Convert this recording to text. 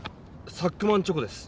「サックマンチョコ」です。